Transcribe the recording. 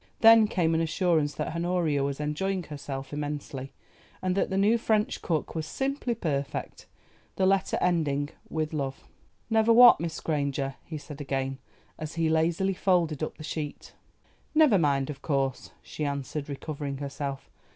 Then came an assurance that Honoria was enjoying herself immensely, and that the new French cook was "simply perfect;" the letter ending "with love." "Never what, Miss Granger?" he said again, as he lazily folded up the sheet. "Never mind, of course," she answered, recovering herself.